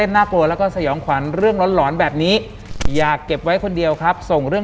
หลังจากนั้นเราไม่ได้คุยกันนะคะเดินเข้าบ้านอืม